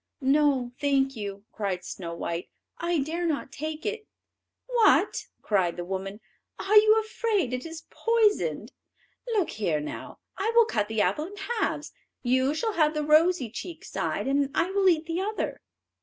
"No, thank you," cried Snow white; "I dare not take it." "What!" cried the woman, "are you afraid it is poisoned? Look here now, I will cut the apple in halves; you shall have the rosy cheek side, and I will eat the other."